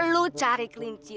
lu cari kelinci